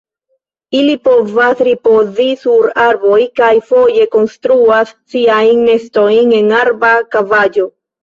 Ili povas ripozi sur arboj kaj foje konstruas siajn nestojn en arba kavaĵo.